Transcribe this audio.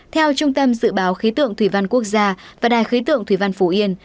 theo trung tâm dự báo khí tượng thủy văn quốc gia và đài khí tượng thủy văn phú yên